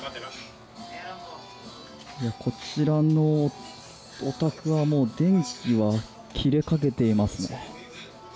こちらのお宅はもう電気が切れかけていますね。